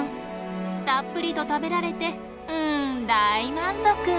たっぷりと食べられてうん大満足。